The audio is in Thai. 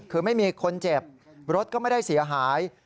คือไม่มีคนเจ็บรถก็ไม่ได้เสียหาย